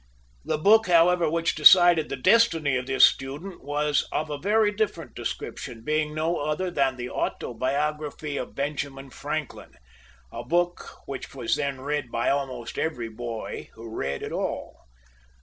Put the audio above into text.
The book, however, which decided the destiny of this student was of a very different description, being no other than the "Autobiography of Benjamin Franklin," a book which was then read by almost every boy who read at all.